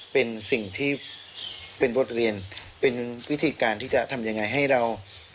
เป็นสิ่งที่เป็นบทเรียนเป็นวิธีการที่จะทำยังไงให้เรา